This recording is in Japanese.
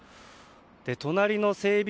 隣の整備